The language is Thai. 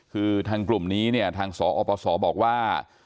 คือทางกลุ่มนี้ทางสอปสบอกว่า